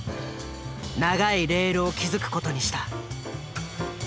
長いレールを築く事にした。